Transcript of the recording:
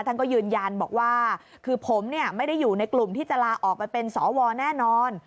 ท่านก็ยืนยันบอกว่าคือผมไม่ได้อยู่ในกลุ่มที่จะลาออกไปเป็นสวแน่นอน